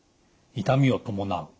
痛みを伴う。